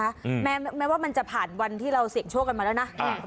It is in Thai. แม้แม้ว่ามันจะผ่านวันที่เราเสี่ยงโชคกันมาแล้วนะอืม